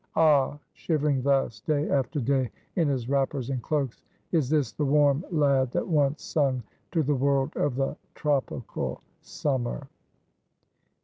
Ah! shivering thus day after day in his wrappers and cloaks, is this the warm lad that once sung to the world of the Tropical Summer?